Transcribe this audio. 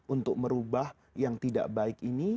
untuk merubah yang tidak baik ini